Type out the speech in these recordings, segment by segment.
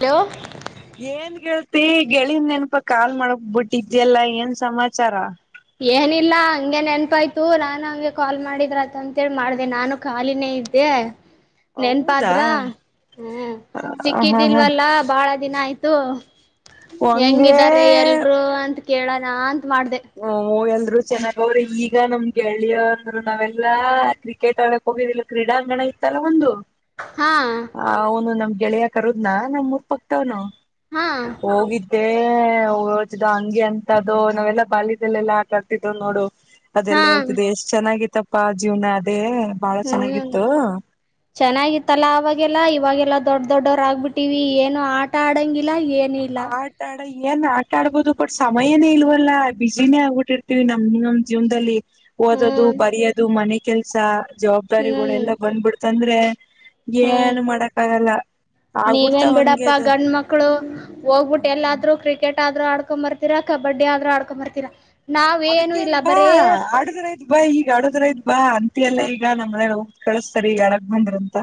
ಕೆಲವು ಏನ್ ೇಳ್ತಿ ಗೆಳನ್್ ನೆನಪಾ ಕಾಲ್ ಮಾಡಕ್ ಬಿಟ್ಟಿದ್ಯಲ್ಲ ಏನ್ ಸಮಾಚಾರ ಏನಿಲ್ಲ ಹಂಗೆ ನೆನ್ಪಾಯ್ತು ನಾನು ಅವಗೆ ಕಾಲ್ ಮಾಡಿದ್ರತ ಅಂತೇಳಿ ಮಾಡ್ದೆ ನಾನು ಖಾಲಿನೇ ಇದ್ದೆ ಹೌದಾ ನೆನ್ಪಾದ್ರ ಹ್ಮ ಹ ಹಾ ಹಾ ಸಿಕ್ಕಿದಿಲ್ವಲ್ಲ ಬಾಳ ದಿನ ಆಯ್ತು ಹಂಗೆ ಹೆಂಗಿದ್ದಾರೆ ಎಲ್ರು ಅಂತ ಕೇಳನಾನ್ ಹಾ ಎ ಅವರು ಚೆನ್ನಾಗ ಅವ್ರಿ ಈಗ ನಮ್ಗೆಳಿಯ ಅಂದ್ರು ನಾವೆಲ್ಲಾ ಕ್ರಿಕೆಟ್ ಆಳಕ್ ಹೋಗಿದಿಲ್ಲ ಕ್ರೀಡಾ ಅಂಗಣ ಇತ್ತಲ್ಲ ಒಂದು ಹಾ ಹ ಹನು ನಮ ಗೆಳೆಯ ಕರುದ್ನಾ ನಮ್ ಊರ್ ಪಕ್ತವ್ನು ಹಾ ಹೋಗಿದ್ದೆ ಏ ಹ ಹಂಗೆ ಅಂತ ಅದು ನಾವೆಲ್ಲ ಬಲ್ಯದಲ್ಲೆಲ್ಲಾ ಆಟಾ ಆಡ್ತಿದ್ರು ನೋಡು ಹಾ ಅದೆಲ್ಲ ಹೇಳ್ತಿದೆ ಎಷ್ಟ್ ಚೆನ್ನಾಗಿ ತಪ್ಪ ಜೀವನ ಅದ ಹ್ಮ್ ಚೆನ್ನಾಗಿತ್ತಲ್ಲ ಅವಾಗೆಲ್ಲಾ ಇವಾಗೆಲ್ಲ ಲ್ಲ ದೊಡ್ ದೊಡ್ಡವರ ಆಗ್ಬಿಟ್ಟಿವಿ ಏನು ಆಟ ಆಡಂಗಿಲ್ಲ ಇಲ್ಲ ಏನ ಇಲ್ಲ ನ ಏನ್ ಆಟ ಆಡ್ಬೋುದು ಬಟ್ ಸಮಯನೇ ಇಲ್ವಲ್ಲ ಬಿಸಿನೇ ಆಗ್ಬಿಟ್ಟಿರ್ತಿೀವಿ ನಮ್ ನಮ್ ಜೀವನದಲ್ಲಿ ಓದದು ಹ್ಮ್ ಬರಯೋದು ಮನೆಗೆ ಕೆಲ್ಸ ಹ್ಮ್ ಜವಾಬ್ದಾರಿಗಳಗಳುೆಲ್ಲಾ ಬಂದ್ಬಿಡ್ತಂದ್ರೆ ಹ ಹ್ಮ್ ಏನು ಮಾಡಕ್ಕ ಆಗಲ್ಲ ನೀವೇನ್ ಆಗ್ಬಿಡ್ತಾವ ಹಂಗೆ ಬಿಡಪ್ಪ ಅದು ಗಂಡ ಮಕ್ಳು ಹೋಗ್ಬಿಟ್ಟು ಎಲ್ಲಾದ್ೂ ಕ್ರಿಕೆಟ್ ಆದ್ರೂ ಆಡ್ಕೊ್ ಬರ್ತೀರಾ ಕಬಡ್ಡಿ ಆದ್ರೂ ಆಡ್ಕೊ್ಂಬರ್ತೀರಾ ಅದಕ್ಕೇನ್ ಬಾ ಆಡುದ್ರಐತ್ ಬಾ ಈಗ ಆಡುದ್ರೈಐ್ ಬಾ ಎಲ್ಲ ಈಗ ನಮ್ಮ್ನ ಕಳಿಸ್ತಾರೆ ಈಗ ಅರಗ್ ಬಂದ್ರ ಅಂತ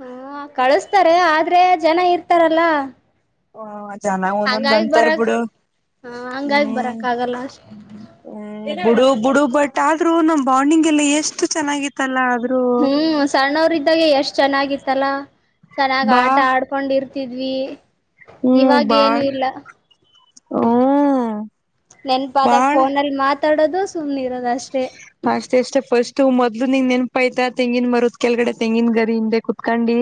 ಹಾ ಕಳಸ್ತಾರೆ ಆದ್ರೆ ಜನ ಇರ್ತಾರಲ್ಲ ಹಓ ಜನ ಒಂದೊಂದ ಹಂಗಾಗಿ ಅಂತರ್ ಬರಕ್ ಬಿುಡು ಹ ಹಂಗಾಗಿ ಹ್ಮ್ ಬರಕ್ ಆಗಲ್ಲ ಅಷ್ಟ ಹ್ಮ ಬಿುಡು ಬಿುಡು ಬಟ್ ಆದ್ರೂ ನಮ ಬೌಂಡಿಂಗ್ ಎಲ್ಲ ಎಷ್ಟು ಚೆನ್ನಾಗಿತ್ತಲ್ಲ ಅದು ಹ್ಮ್ ಸಣ್ಣವ್ರ ಇದ್ದಾಗೆ ಎಷ್ಟ್ ಚೆನ್ನಾಗಿತ್ತು ಚಲ್ಲ ಚೆನ್ನಾಗ್ ಬಾ ಆಟ ಆಡ್ಕೊಂಡಿರ್ತ ಹತಿದ್ವಿ ಹ್ಮ್ ಇವಾಗ ಬಾ ಏನು ಇಲ್ಲ ಹ್ಮ್ ನೆನ್ಪಾದಾಗ ಬಾಳ ಫೋನಲ್ಲಿ ಮಾತ್ರ ತಡದ ಸುನ್ನಿರ ಅಷ್ಟೇ ಅಷ್ಟೇ ಪಫಸ್ಟ್ ಮೊದ್ಲು ನಿನ್ ನೆನಪ ಆಯ್ತಾ ತೆಂಗಿನ ಮರುದ್ ಕೆಳಗಡೆ ತೆಂಗಿನ ಗರಿ ಹಿಂದೆ ಕುೂತ್ಕೊಂಡಿ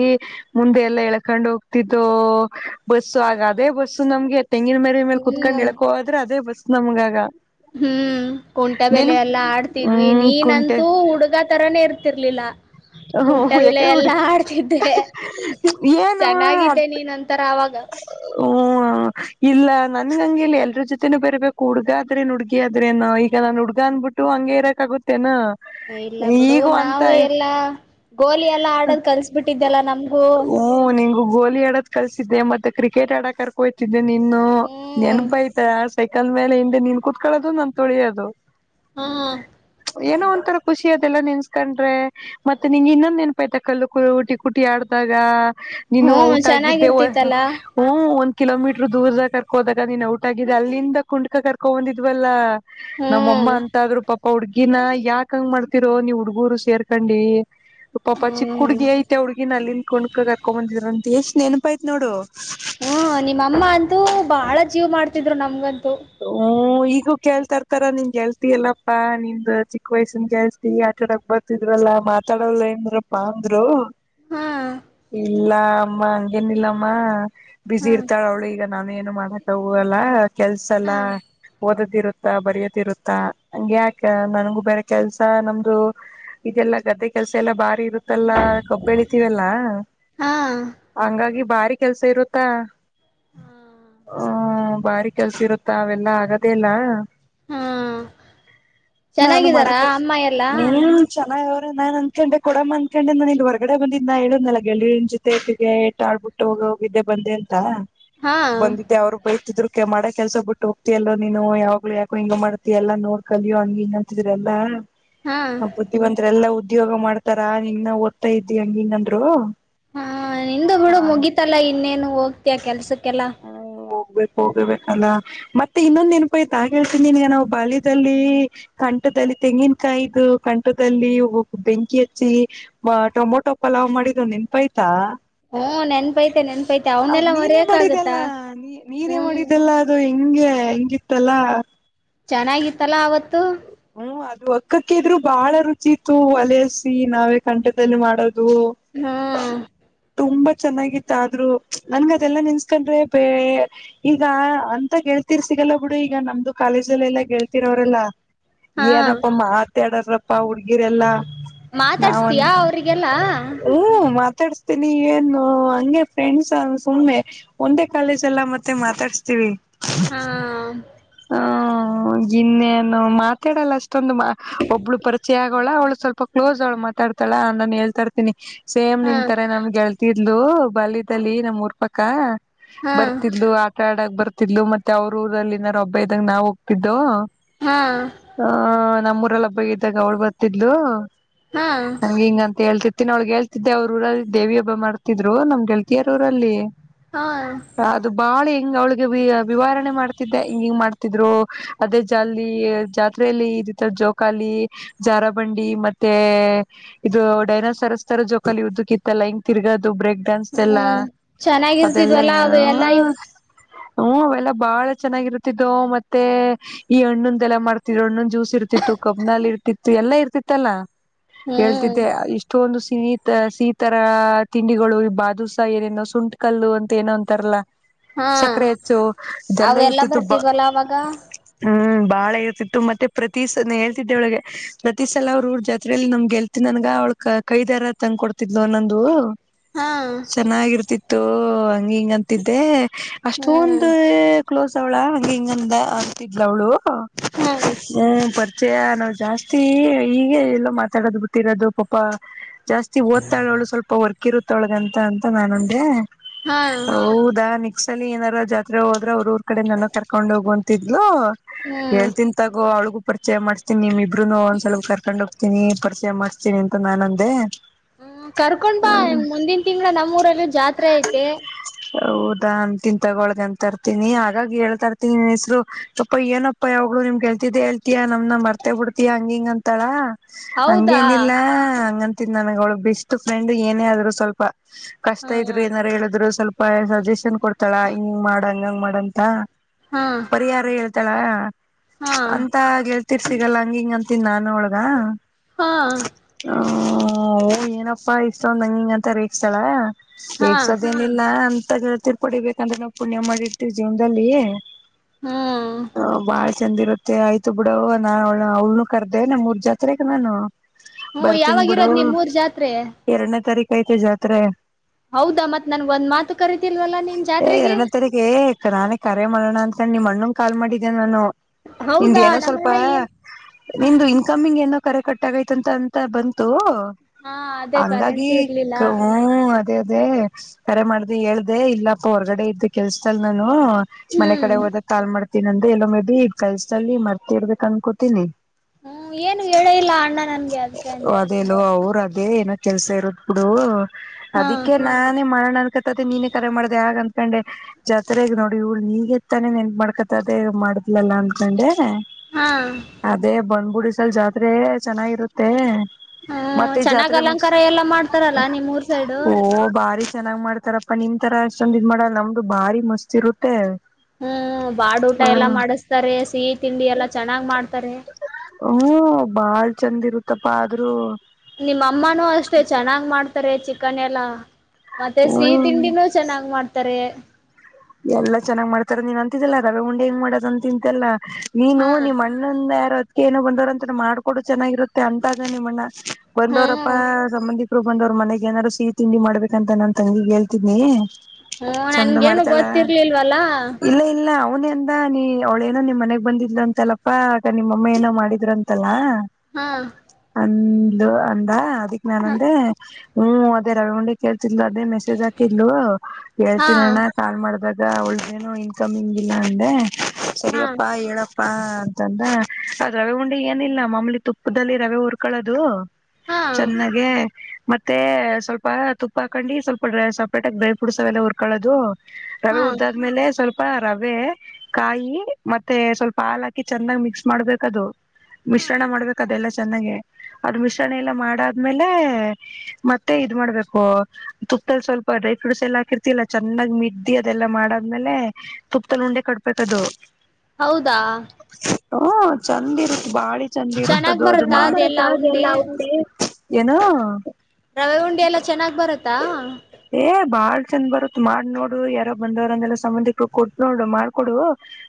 ಮುಂದೆ ಎಲ್ಲಾ ಎಳ್ಕೊಂಡ್ ಹೋಗ್ತಿದ್ದೋ ಬಸ್ಸು ಆಗ ಅದೇ ಬಸ್ಸು ನಮ್ಗೆ ತೆಂಗಿನ ಮರಿ ಮೇಲೆ ಕುತ್ಕೊಂಡ್ ಹ್ಮ್ ಎಳಕೋದ್ರೆ ಅದ ಬಸ್ ನಮ್ಗ ಹ್ಮ್ ಕಟಾ ಬೆೇಲೆ ಎಲ್ಲಾ ಆಡ್ತಿದ್ವಿ ಹ್ಮ್ ಕುಂಟೆ ನೀನಂತೂ ಹುಡುಗಾ ತರಾನೇ ಇರ್ತಿರ್ಲಿಲ್ಲ ಕುಂಟ ಹ ಬಿಲೆ ಯಾಕೆ ಹುಡಿ ಎಲ್ಲಾ ಆಡ್ತಿದ್ದೆ ಏನು ಚೆನ್ನಾಗಿದ್ದೆ ನೀನ್ ಒಂತರ ಅವಾಗ ಹ ಇಲ್ಲ ನನ್ಗ ಹಂಗೆಲ್ಲಿ ಎಲ್ರ ಜೊತೆನೂ ಬೇರ್ಬೇಕು ಹುಡ್ಗ ಆದ್ರೇನ್ ಹುಡ್ಗಿ ಆದ್ರೇನ ಈಗ ನಾನನ್ ಹುಡ್ಗ ಅನ್ಬಿಟ್ಟು ಹಂಗೆ ಇರಕ್ ಆಗುತ್ತೇನ ಇಲ್ಲ ಬಿಡು ಈಗೂ ಅಂತ ನಾವು ಎಲ್ಲಾ ಗೋಲಿ ಎಲ್ಲಾ ಆಡದ್ ಕಲ್ಸ ಬಿಿಟ್ಟಿದ್ಯಲ್ಲ ನಮ್ಗೂ ಹ್ಮ ನಿಂಗು ಗೋಲಿ ಆಡೋದ ಕಲಸಿದ್ದೆ ಮತ್ತೆ ಕ್ರಿಕೆಟ್ ಆಡಕ ಕರ್ಕ ಹಯ್ತಿದ್ದೆ ಇದು ನಿನ್ನ ಹ್ಮ್ ನೆನಪ ಆಯ್ತ ಸೆಕಂದ ಮೇಲೆ ಹಿಂದೆ ನೀನ್ ಕುೂತ್ಕೊಳ್ಳೋದು ನನ್ ತೊಳಿಯೋದು ಹಾ ಏನೋ ಒಂಥರ ಖುಷಿ ಎಲ್ಲ ನಿನ್ಸ್ಕೊಂಡ್ರೆ ಮತ್ತೆ ನಿಂ್ ಇನ್ನೊಂದ್ ಏನಪಾಯತ ಕಲ್ಲು ಕು ಊಟಿ ಕುಟಿ ಆಡ್ದಾಗ ನೀನು ಹ್ಮ್ ಔಟ್ ಆಗಿದ್ದೆ ಚೆನ್ನಾಗಿರ್ತಿತ್ತಲ್ಲ ಹ ಒಂದ್ ಕಿಲೋಮೀಟ್ರ ದೂರದಾಗ ಕರ್ಕೋದಕ್ ಆಗ ನೀನ್ ಔಟ ಆಗಿದೆ ಅಲ್ಲಿಂದ ಕುಂಡ್ಕ ಕರ್ಕೊ ಬಂದಿದ್ವಲ್ಲ ನಮ್ಮಮ್ಮ ಹ್ಮ್ ಅಂತಾದ್ರು ಪ ಅವ್ ಹುಗಿನ ಯಾಕ ಹಂಗ್ ಮಾಡ್ತಿರೋ ನೀವ್ ಹುಡ್ಗೂರು ಸೇರ್ಕೊಂಡ ಹ ಪಾಪಾ ಚಿಕ್ಕ ಹ್ಮ್ ಹುಡ್ಗಿ ಐತೆ ಹುಡ್ಗಿ ಅಲ್ಲಿಂದ ಕಣ್ಕ ಕರ್ಕೊ ಬಂದಿದರ ಅಂತ ಎಷ್ಟ ನನ್ ಯತ್ ನೋಡು ಹ್ಮ ನಿಮ್ಮಮ್ಮ ಅಂತೂ ಬಾಳ ಜೀವ್ ಮಾಡ್ತಿದ್ರು ನಮ್ಗಂತ ತ ಹ್ಮ್ ಈಗೂ ಕೇಳ್ತರ್ತಾರ ನಿನ್ ಗೆಲ್ತಿ ಎಲ್ಲಪ್ಪಾ ನಿಮ್ದ ಚಿಕ್ಕ ವಯಸ್ಸಿನ ಗೆಲ್ತಿ ಆಟಾಡಕ್ ಬರ್ತಿದ್ರಲ್ಲಾ ಮಾತಾಡೋಲ್ಲ ಏನ್್ರಪ್ಪಾ ಅಂದರು ಹ್ಮ ಇಲ್ಲ ಅಮ್ಮ ಹಂಗೇನಿಲ್ಲಮ್ಮ ಬಿಸಿ ಹಾ ಇರ್ತಾಳ ಅವ್ಳು ಈಗ ನಾನ ಏನು ಮಾಡಕ್ಕ ಹಲ್ಲ ಸಲ ಹಾ ಓದದಿರುತ್ತ ಬರಿಯತಿರುತ್ತಾ ಹಂಗ ಯಾಕ ನನ್ಗೂ ಬೇರ ಕೆಲ್ಸ ನಮ್ದು ಇದೆಲ್ಲಾ ಗದ್ದೆ ಕೆಲ್ಸ ಎಲ್ಲಾ ಭಾರಿ ಇರುತ್ತ ಮತ್ತಲ್ಲಾ ಕಬ್ಬ ಬೆಳಿತೀವೆಲ್ಲ ಹಂಗಾಗಿ ಬಾರಿ ಕೆಲ್ಸ ಇರುತ್ತಾ ಹ ಬಾರ ಕೆಲ್ಸ ಇರುತ್ತಾ ಅವೆಲ್ಲಾ ಆಗದೆೇ ಇಲ್ಲ ಹಾ ಹಾ ನಾನು ಚೆನ್ನಾಗಿದ್ದಾರಾ ಮಾಡಕ ಅಮ್ಮ ಎಲ್ಲಾ ನೀನು ಚೆನ್ನ ನಾನ್ ಅಂದ್ಕೊಂಡೆ ಕೊಡಮ್ಮ ಅ್ಕೊಂಡೆ ನಾನು ಇಲ್ಲಿ ಹೊರ್ಗಡೆ ಬಂದಿದ್ದ ನಾ ಹೇಳುದ್ನಲ್ಲ ಗೆಳರಿನ ಜೊತೆಿಗೆ ಏಟು ಆಡ್ಬಿಟ್ಟು ಹೋಗ ಹೋಗಿದ್ದೆ ಬಂದೆ ಅಂತ ಹಾ ಬಂದಿದ್ದೆ ಅವರುೂಪಾಯಿತಿದ್ರು ಮಾಡ ಕೆಲ್ಸ ಬಿಟ್ಟು ಹೋಗ್ತಿ ಎಲ್ಲೋ ನೀನು ಯಾವ್ಲು ಯಾಕು ಹಿಂಗ ಮಾಡತತಿ ಎಲ್ಲಾ ನೋಡ್ಕಲ್ಿಯೋ ಹಂಗ ಹಿಂಗ ಅಂತಿದ್ರ ಎಲ್ಲಾ ಹಾ ಹ ಬತಿಿ ಬತ್ ಎಲ್ಲಾ ಉದ್ದ ಉದ್ಯೋಗ ಮಾಡ್ತಾರ ನೀಂಗ ನ ಓದ್ತಾ ಇದ್ದಿ ಹಂಗ ಹಿಂಗಂದ್ರು ಹಾ ನಿಂದ ಹುಡು ಮುಗಿತಲ್ಲಾ ಇನ್ನೇನು ಹೋಗ್ತಯ ಕೆಲ್ಸಕ್ಕೆಲ್ಲ ಬ ಹೋಗ್ಬೇಕಲ್ಲ ಮತ್ತೆ ಇನ್ನೊಂದ್ ನೆನಪ ಆಯ್ತಾ ಹಾಗ ಹೇಳ್ತನಿನ್ಗ ನಾವು ಬಾಳದಲ್ಲಿ ಕಂಠದಲ್ಲಿ ತೆಂಗಿನಕಾಯು ಕಂಠದಲ್ಲಿ ಬೆಂಕಿ ಹಚ್ಚಿ ಟೊಮೊಟೊ ಪಲಾವ್ ಮಾಡಿದು ನೆನಪಾಯಯ್ತಾ ಹಓ ನೆನ್ಪೈತೆ ನೆನ್ಪೈತೆ ಅವನೆೆಲ್ಲ ಮರಯಕ್ ಆಾಗತ್ತಾ ನೀೇ ಮಾಡಿದ್ದಲ್ಲ ಅದು ಹಂಗೆ ಹಂಗಿತ್ತಲ್ಲಾ ಚೆನ್ನಾಗಿತ್ತಲ್ಲಾ ಅವತ್ತು ಹ್ಮ್ ಅದು ಅಕ್ಕಕ್ಕ ಇದ್ರು ಬಹಳ ರುಚಿ ಇತ್ತು ಒಲಸಿ ನಾವೇ ಕಂಠದಲ್ಲಿ ಮಾಡೋದು ಹಾ ತುಂಬಾ ಚೆನ್ನಾಗಿತ್ತ ಆದ್ರು ನನ್ಗ ಅದೆಲ್ಲ ನಿನ್ಸ್ಕೊಂಡ್ರೆ ಬ ಈಗ ಅಂತ ಗೆಳ್ತಿರ್ ಸಿಗಲ್ಲ ಬಿಡು ಈಗ ನಮ್ದು ಕಾಲೇಜಲ್ಲ ಎಲ್ಲಾ ಗೆಳ್ತಿರೋರೆಲ್ಲಾ ಹಾ ಏನಪ್ಪ ಮಾ ತ್ತಡ್ರಪ್ಪ ಹುಡ್ಗಿರೆಲ್ಲಾ ನಾವನ್ ಮಾತಾಡ್ಸ್ತೀಯಾ ಅವ್ರಿಗೆಲ್ಲಾ ಹ್ಮ ಮಾತಾಡ್ ಮತ್ತ ನೀ ಏನು ಹಂಗೆ ಫ್ರೆಂಡ್ಸ್ ಸುಮ್ಮ್ನೆ ಒಂದೇ ಕಾಲೇಜ್ ಎಲ್ಲ ಮತ್ತೆ ಮಾತಾಡಸ್ತೀವಿ ಹಾ ಹ ಗಿನ್ನೇನು ಮಾತಾಡಲ್ಲ ಅಷ್ಟೊಂದು ಒಬ್ಳು ಪರಿಚಯ ಆಗೋಳ ಅವಳು ಸ್ವಲ್ಪ ಕ್ಲೋಸ್ ಅವಳು ಮಾತಾಡ್ತಾಳ ನಾನು ಹೇಳ್ತಾರ್ತೀನಿ ಸೇಮ್ ಹಾ ನಿನ್ಂತರ ನಮ್ಗೆಳ್ತಿದ ಇದು ಬಲ್ದಲ್ಲಿ ನಮ್ ಊರ್ಪಕ್ಕ ಹಾ ಬರ್ತಿದ್ದು ಆಟ ಆಡಕ್ ಬರ್ತ ಮತ್ತೆ ಅವ್ರ ಊರಲ್ಲಿನಬ್ ಇದ್ದಂಗ ನಾವ್ ಹೋಗ್ತಿದ್ದೋ ಹಾ ಹ ನಮ್ಮ ಅವ್ರಲ್ಲ ಹಬ್ಬ ಇದಿದ್ದಾಗ ಅವ್ಳ ಬರ್ತಿದ್ಲು ಹಾ ನಂಗೆ ಹಿಂಗಂತ ಹೇಳ್ತಿತ್ತು ಮತ್ತಿನೊಳಗ್ಗೆೇಳ್ತಿದ್ದೆ ಅವ್ರ ಊರಲ್ಲಿ ದೇವಿ ಹಬ್ಬ ಮಾಡರ್ತ್ರು ನಮ್ಗೆೇಳ್ತಿಯಾರ ಊರಲ್ಲಿ ಹಾ ಹ್ಮ್ ಅದು ಬಾಳೆ ಹ ಅವ್ಳಿಗೆ ವಿವಾರಣೆ ಮಾಡ್ತಿದ್ದೆ ಹಿಂಗ ಹಿಂಗ ಮಾಡ್ ತ್ರು ಅದೇ ಜಾಲ ಜಾತ್ರೆಯಲ್ಲಿ ಇದ ಜೋಕಾಲಿ ಜಾರಾಬಂಡಿ ಮತ್ತೆ ಇದು ಡೈನಸರ್ಸ್ ತರ ಜೋಕಾಲಿ ಉದ್ದಕ ಇತ್ತಲ್ಲ ಹಿಂಗ ತಿರ್ಗ ಇದು ಬ್ರೇಕ್ ಡಾನ್ಸ್ ಎಲ್ಲ ಅದೆಲ್ಲ ಚೆನ್ನಾಗಿರ್ತಿದ್ವಲ್ಲ ಅವ ಎಲ್ಲಾ ಇವು ಹ್ಮಞ ಅವೆಲ್ಲಾ ಬಾಳ ಚೆನ್ನಾಗಿರುತ್ತಿದ್ದ ಮತ್ತೆ ಈ ಹಣ್ಣುಂದ ಎಲ್ಲ ಮಾಡ್ತಿದ್ರು ಹಣ್ಣುನ್ ಜ್ಯೂಸ್ ಇರ್ತಿತ್ತು ಕಬ್ನಲ್ ಇರ್ತಿತ್ತು ಎಲ್ಲಾ ಇರ್ತಿತ್ತಲ್ಲಾ ಹ್ಮ್ ಹೇಳ್ತಿದ್ದೆ ಇಷ್ಟೊ ಒಂದು ಸೀತ ಸೀತರ ತಿಂಡಿಗಳು ಬಾದುಸ ಏನೇನೋ ಸುಂಟ್ ಕಲ್ಲು ಅಂತ ಏನೋ ಅಂತಾರಲ್ಲಾ ಹಾ ಸಕ್ಕರೆ ಹೆಚ್ಚು ಎಲ್ಲ ಇರ್ತಿತ್ತುು ಬ ಆಗಾ ಹ್ಮ್ ಬಾಳ ಇರ್ತಿತ್ತು ಮತ್ತೆ ಪ್ರತಿ ಸ ಹೇಳ್ತಿದ್ದೆ ಅವಳಗೆ ಪ್ರತಿ ಸಲ ಅವ್್ರ ಊರ್ ಜಾತ್ರರೆೆಯಲ್ಲಿ ನಮ್ಗೆಲ್ತಿದ್ ನನ್ಗ ಅವ್ಳ ಕೈ ದಾರ ತಂಗ್ ಕೊಡ್ತಿದ್ಲು ಅನ್ನೊಂದು ಹಾ ಚೆನ್ನಾಗಿರ್ತಿತ್ತು ತ ಹಿಂಗಂತಿದ್ದೆ ಅಷ್ಟೊ ಹ್ಮ್ ಒಂದು ಕ್ಲೋಸ್ ಳಾ ಹಂಗ ಹಿಂಗಂದ ಅತಿದಲ ಅವ್ಳು ಹ್ಮ್ ಹ್ಮ ಪಚೆಯ ನಾವವು ಜಾಸ್ತಿ ಈೀಗೆ ಎಲ್ಲೋ ಮಾತಾಡೋದು ಗೊತ್ತಿರೋದು ಪಾಪ ಜಾಸ್ತಿ ಓ್ತಾಳು ಸ್ವಲ್ಪ ಹೊರ್ ಕಿರುತೊಳಗಂತ ಅಂತ ನ ನಮಗೆ ಹಾ ಹೌದಾ ನಿ ಕ್ಸಲ್ಲಿ ಏನಾರ ಜಾತ್ರೆ ಹೋದೆ ಅವ್ರರುರು ಕಡೆ ನನ ಕಕೊಂಡ ಹೋಗುವಂತಿದ್ಲು ಹ್ಮ್ ಹೇಳ್ತನ್ ತಗೋ ಅವಳಿಗೂ ಪರಿಚಯ ಮಾಡ್ ನಿಮ ಇಬ್ರುನು ಒಂದ ಸ್ವಲ್ ಕರ್ಕೊಂಡ್ೋಗ್ತನಿ ಜೆ ಮಾಡ್ತೀನಿ ಅಂತ ನಾನ ಅಂದೇ ಹ್ಮ ಕರ್ಕೊಂಡ್ ಬಾ ಮುಂದಿನ ತಿಂಗಗಳ ನಮ್ಮ್ೂಊರಲ್ಲೂ ಜಾತ್ರೆ ಐತೆ ಹೌದಾನ್ ತಿನ್ ತಗೊಳ್ದ ಅಂತರ್ತಿನಿ ಹಾಗಾಗಿ ಹೇಳ್ತರ್ಿ ಹೆಸರು ಅಪ್ಪ ಏನಪ್ಪಾ ಯಾವ್ ನಿಮ್ಗೆಳ್ತಿದ ಹೇತಯಾ ನಮ್ ಮರ್ತೆ ಬಿಡ್ತಿಯಾ ಹಂಗ ಹಿಂಗ ಅಂತಾಳ ಹೌದಾ ಹಂಗೇನಿಲ್ಲ ಹಂಗ ನನಗ ಅವಗಳುು ಬೆಸ್ಟ್ ಫ್ರೆಂಡ್ ಏನೇ ಆದ್ರೂ ಸ್ವಲ್ಪ ಕಷ್ಟ ಹಾ ಇದ್ರು ಏನಾರು ಹೇಳಿದ್ರು ಸ್ವಲ್ಪ ಸಜೆಷನ್ ಕೊಡ್ತಾಳಾ ಹಿಂಗ ಮಾಡ ಹಂಗಂಗ ಮಾಡ ಬಂತ ಹಾ ಪರಿಹಾರ ಹೇಳ್ ಲಾ ಹಾ ಅಂತೇಳ್ ತಿರ್ ಸಿಿಗಲ್ಲ ಹಂಗಿಂಗ ಅಂತನ್ ನಾನನ್ೊಳಗ ಹಾ ಹ್ಮ ಏನಪ್ಪಾ ಇಷ್ಟ ಒಂದ್ ಹಂಗ ಹಿಂಗ ಅಂತ ರೇಕ್ಸ್ತಾಳ ಹಾ ಹೇಗ್ಸದೇನಿಲ್ಲ ಲ್ಲ ತಿರ್ಪಡಿಬೇಕೇಕಂದಂತ ನಾವು ಪುಣ್ಯ ಮಾಡಿರ್ತಿವಿ ಜೀವನದಲ್ಲಿ ಹ್ಮ್ ಹ ಬ ಚಂದ ಇರುತ್ತೆ ಆಯ್ತು ಬಿಡವ ನಾ ಅವಳ ಅವಳ್ನು ಕರ್ದೆೆ ನಮ್ ಮೂರ್ ಜಾತ್ರೆಗ ನಾನು ಹ್ಮ ಬರ್ತೀನ್ ಯಾವಾಗಿ ಇರೋದ್ ನಿಮ್ ಮೂರ್ ಜಾತ್ರೆ ಕೈತೆ ಜತ್ರ ಹೌದಾ ಮತ್ ನನ್ಗ್ ಒಂದ್ ಮಾತು ಕರಿೀತಿಲ್ವಲ್ಲಾ ನಿನ್ ಜಾತ್ರೆಗೆ ನಾನೆ ಕರರೆ ಮಾಡ ನಾನ್ಂತ ನಿಮ್ಮ ಅಣ್ಣನ್ ಕಾಲ್ ಮಾಡಿದ್ದೇನೆ ನಾನು ನಿ್ದ ಹೌದಾ ಏನೋ ಸ್ವಲ್ಪ ನಮ್ಮಣ್ಣ ಏನ್ ನಿ್ದು ಇನ್ಕಮಿಂಗ್ ಏನೋ ಕರೆ ಕಟ್ಟಾಗೈತಂತ ಅಂತ ಬಂತು ಹಾ ಅದೇ ಹಂಗಾಗಿ ಕರೆನ್ಸಿ ಇರ್ಲಿಲ್ಲ ಹ್ಮ್ ಅದೇ ಅದೇ ಕರೆ ಮಾಡ್ದ ಹೇಳ್ದೆ ಇಲ್ಲಪ್ಪ ಹೊರ್ಗಡೆ ಇದ್ದು ಕೆಲ್ಸ್ದಲ್ ನಾನು ಮನೆ ಹ್ಮ್ ಕಡೆ ಹದ ತಾಲ್ ಮಾಡ ಇರ್ತಿ ಅಂದ್ರೆ ಎೋ ಮೆ ಬಿ ಕಲ್ಸಲ್ಲಿ ಮರ್ತಿ ಇರ್ಬೇಕ ಅನ್ಕೋತೀನಿ ಹ್ಮ್ ಏನು ಹೇಳ ಇಲ್ಲ ಅಣ್ಣ ನನ್ಗೆ ಅದಕ್ಕೆ ಅಂದೆ ಅೇ ಏನೋ ಕೆಲ್ಸ ಇರೋದ್ ಬಿುಡು ಹಾ ಅದಿಕ್ಕೆ ನಾನೇ ಮಾಡಣ ಅನ್ಕತದೆ ನೀನೇ ಕರೆ ಮಾಡ್ದ ಯಂತ ಕಂಡೆ ಜಾತ್ರೆಗ ನೋಡಿ ಇಊರು ನೀಗೆ ತಾನೇ ಎನ್ ಮಾಡ್ಕತದೇ ಮಾಡುದ್ಲಲ್ಲ ಅನ್ಕೊಂಡೆ ಹಾ ಅದೇ ಬಂದ್ಬುಡಿ ಲ್ ಜಾತ್ರೆ ಚೆನ್ನಾಗಿರುತ್ತೆ ಹ್ಮ ಮತ್ತೆ ಚೆನ್ನಾಗ್ ಜಾತ್ರೆ ಮುಗಸ ಅಲಂಕಾರ ಎಲ್ಲಾ ಮಾಡ್ತಾರಲ್ಲಾ ನಿಮ್ಮ್ೂರ್ ಸೈಡು ಓ ಬಾರಿ ಚೆನ್ನಾಗ್ ಮಾಡ್ತಾರಪ್ಪಾ ನಿಮ್ ತರ ಅಷ್ಟೊಂದ ಇ್ ಮಾಡ ನಮ್ದು ಬಾರಿ ಮಸ್ತಿ ಇರುತ್ತೆ ಹ್ಮ್ ಬಾಡ ಊಟ ಎಲ್ಲಾ ಹ್ಮ ಮಾಡಿಸತಾರೆ ಸಿಹಿ ತಿಂಡಿ ಎಲ್ಲಾ ಚೆನ್ನಾಗ್ ಮಾಡ್ತಾರೆ ಹ್ಮ ಬಾಳ್ ಚಂದ ಇರುತ್ತಪ್ಪಾ ಆದ್ರರು ನಿಮ್ಮ ಅಮ್ಮನೂ ಅಷ್ಟೆ ಚೆನ್ನಾಗ್ ಮಾಡ್ತಾರೆ ಚಿಕನ್ ಎಲ್ಲಾ ಮತ್ತೆ ಸಿಹ ಹ್ಮ್ ತಿಂಡಿನೂ ಚೆನ್ನಾಗ್ ಮಾಡ್ತಾರೆ ಎಲ್ಲ ಚೆನ್ನಾಗ್ ಮಾಡ್ತಾರ ನೀನ್ ಅಂತಿದ್ದಿಲ್ಲಾ ರವೆ ಉಂಡಿ ಹೆಂಗ ಮಾಡೋದಂತ ತಿಂತೆಲ್ಲಾ ನೀನು ಹಾ ನಿಮ ಅಣ್ಣಂದ ಯಾರ ಏನ ಬಂದೋ್ರ ಅಂತ ಮಾಡ್ಕಡು ಚೆನ್ನಾಗಿರುತ್ತೆ ಅಂತ ಅ ನಿಮ್ಮಣ್ಣ ಒಂದವರಪ್ಪ ಹ್ಮ್ ಸಂಬಂಧಿ ಇರು ಬಂದವ್ರ ಮನೆಗ್ ಏನಾರರು ಸಿಹ ತಿಂಡಿ ಮಾಡ್ಬೇಕ ಅಂತ ನಾನ್ ತಂಗಿಗ್ ಹೇಳ್ತೀನಿ ಹ್ಮ ನನ್ಗೇನು ಗೊತ್ತಿರ್ಲಿಲ್ವಲ್ಲಾ ಅವನೆಯಂದ ನೀ ಅವ್ಳೇನೋ ನಿನ್ ಮನೆಗ್ ಬಂದಿದ್ರು ಅಂತಲ್ಲಪ್ಪಾ ಆ ನಿಮ್ಮಮ್ಮ ಏನೋ ಮಾಡಿದ್ರು ಅಂತಲ್ಲ ಹಾ ಒಂದು ಅಂದ ಅದಿಕ್ ನಾನ ಹಾ ಅಂದ್ರೆ ಹ್ಮ್ ಅದೇ ರವಿ್ಿ ಕೇಳ್ತಿ್ಲ ಅದೇ ಮೆ ಕಲ್ವ ಎರ ತಿನ್ನಣ ಹಾ ಮಾಡ್ದಾಗ ಒೇನ ಇನ್ಕಮ್ ಹಂಗಿಲ್ಲ ಅಂದೆ ಸರಿಯಪ್ಪಾ ಹೇಳಪ್ಪಾ ಅಂತಂದ ಅದ್ ರವೆ ಉಂಡಿ ಏನಿಲ್ಲ ಮಾಮಲಿ ತುಪ್ಪದಲ್ಲಿ ರವೆ ಉುರ್ಕೊಳ್ಳೋದು ಹಾ ಚೆನ್ನಾಗೆ ಮತ್ತೆ ಸ್ವಲ್ಪ ತುಪ್ಪ ಹಾಕಂಡಿ ಸ್ವಲ್ಪ ಡ್ರೈ ಸಪ್ರೇಟ ಡ್ರೈ ಫ್ರೂಟ್ಸ್ ಅವೆಲ್ಲ ಹುರ್ಕೊಳ್ಳೋದು ರವೆ ಹಾ ಉಡ್ದಾದ್ಮೇಲೆ ಸ್ವಲ್ಪ ರವೆ ಕಾಯಿ ಮತ್ತೆ ಸ್ವಲ್ಪ ಹಾಲ್ ಹಾಕಿ ಚೆಂದಾಗ್ ಮಿಕ್ಸ್ ಮಾಡ್ಬೇಕದು ಮಿಶ್ರಣ ಹಾ ಮಾಡ್ಬೇಕ ಅದೆಲ್ಲ ಚೆನ್ನಾಗ ಅ್ರ ಮಿಶ್ರಣ ಎಲ್ಲ ಮಾಡಾದ್ಮೇಲೆ ಮತ್ತೆ ಇದ್ ಮಾಡ್ಬೇಕು ತುಪ್ಪದಲ್ಲಿ ಸ್ವಲ್ಪ ಡ್ರೈ ಫ್ರೂಟ್ಸ್ ಎಲ್ಲ ಹಾಕಿರ್ತಿಲ್ಲ ಚೆನ್ನಾಗಿೀ ಸುದ್ದಿ ಅದೆಲ್ಲ ಮಾಡಾದ್ಮೇಲೆ ತುಪ್ಪದಲ್ಲಿ ಉಂಡೆ ಕಟ್ಬೇಕದು ಹೌದಾ ಹಓ ಚಂದ ಇರುತ್ತೆ ಬಾಳ ಚಂದ ಇರುತ್ತ ಚೆನ್ನಾಗ್ ಬರತ್ತಾ ಅದೆಲ್ಲಾ ಹಾಗೆಲ್ಲ ಉಂಡೆ ಏನೋ ರವೆ ಉಂಡೆ ಎಲ್ಲ ಚೆನ್ನಾಗಿ ಬರುತ್ತೆ ಹಾ ಏ ಬಾಳ್ ಚಂದ ಬರುತ್ ಮಾಡ್ ನೋಡು ಯಾರೋ ಬಂದವ್ರಂದಲ್ಲ ಸಂಬಂಧಿಕ ಕೊಟ್ಟ ನೋಡ್ಡು ಮಾಡಕೊಡು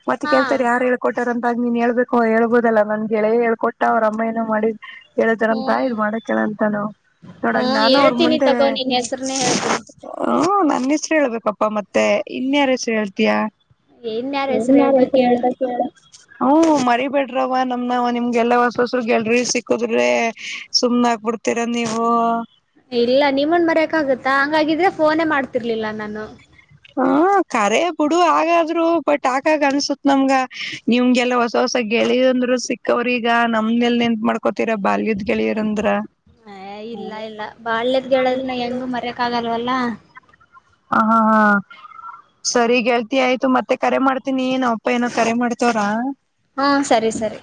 ಮತ್ತೆ ಹಾ ಕೇಳ್ತಾರೆ ಯಾರು ಹೇಳಳ್ ಕೊಟ್ಟಾರಂತ ನೀನ್ ಹೇಳ್ಬೇಕು ಹೇಬುದ ಅಲ್ಲ ನನ್ ಗೆಳೇ ಕೊಟ್ಟ ಅವ್ರ ಅಮ್ಮ ಏನೋ ಮಾಡಿದ್ ಹೇಳತಾರಂತ ಹ್ಮ್ ಇದ್ ಮಾಡಕೇಳಂತಾನ ನೋಡಾಗ ಹ್ಮ್ ನಾನು ಅವ್ರ ಹೇಳ್ತೀನಿ ಮುಂದೆ ತಗೋ ನಿನ್ ಹೆಸ್ರನೇ ಹೇಳ್ತೀನಿ ಹ್ಮ ನನ್ನ ಹೆಸರು ಹೇಳ್ಬೇಕಪ್ಪಾ ಮತ್ತೆ ಇನ್ಯಾರ ಹೆಸರು ಹೇಳ್ತಯಾ ಇನ್ಯಾರ್ ಹನ್ ಹೆಸ್ರು ಯಾರ ಹೇಳ್ಬೇಕ್ ಹೇಳು. ಹೆಸರುಳ್ಬೇಕಾ ಕೇಳ ಹ್ಮ ಮರಿ ಬಿೇಡ್ರವ ನಮ್ ನಿಮ್ಗೆಲ್ಲ ಹೊಸ ಹಸರು ಗೆಲ್ರಿಿ ಸಿಕ್ಕುದ್ರೆ ಸುಮ್ನ ಆಗ್ಬಿಡ್ತೀರ ನೀವು ಇಲ್ಲ ನಿಮ್ಮನ್ ಬರಯಕ್ ಆಗತ್ತೆ ಹಂಗಾಗಿದ್ರೆ ಫೋನೇ ಮಾಡ್ತಿರ್ಲಿಲ್ಲ ನಾನು ಹ್ಮ ಕಖರೆ ಬಿುಡು ಹಾಗಗಾದ್ರು ಬಟ್ ಆಾಕಾಗ ಅನ್ಸತ್ ನಮ್ಗ ನಿಮ್ಗೆಲ್ಲ ಹೊಸ ಹೊಸ ಗೆಳೆಯಂದರು ಸಿಕ್ಕವ್ರೀಗ ನಮ್ನೆಲ್ ನಿೆತ್ ಮಾಡ್ಕೊ ಹ ಹ ಇಲ್ಲ ಇಲ್ಲ - ಬಾಳ್್ಯದ್ ಗೆೇಳದನ ಹೆಂಗು ಮರ್ಯಕ್ ಆಗಲ್ಲ ಲ್ಲ ಹ ಹಾ ಹಾ ಸರಿ ಗೆಳ್ತಿ ಆಯ್ತು ಮತ್ತೆ ಕರೆ ಮಾಡ್ತೀನಿ ನಾವಪ್ಪ ಏನೋ ಕರೆ ಮಾಡ್ತವ್ರಾ ಹಾ ಸರಿ ಸರಿ